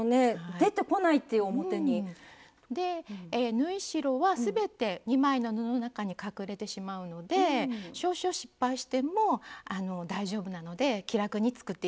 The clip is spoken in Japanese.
縫い代は全て２枚の布の中に隠れてしまうので少々失敗しても大丈夫なので気楽に作って頂けると思います。